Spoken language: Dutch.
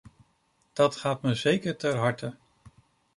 Dat gaat me zeker ter harte.